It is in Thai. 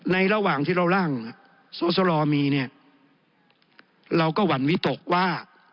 ในระหว่างที่เราร่างสอดศรอมีเราก็หวั่นวิตกว่า